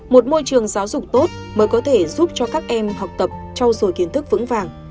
một môi trường giáo dục tốt mới có thể giúp cho các em học tập trao dồi kiến thức vững vàng